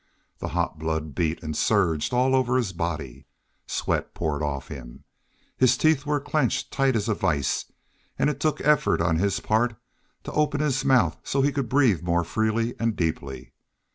The hot blood beat and surged all over his body. Sweat poured off him. His teeth were clenched tight as a vise, and it took effort on his part to open his mouth so he could breathe more freely and deeply.